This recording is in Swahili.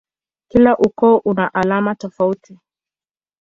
Kila ukoo una alama tofauti.